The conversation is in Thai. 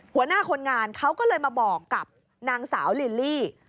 หัวหน้าคนงานเขาก็เลยมาบอกกับนางสาวลิลลี่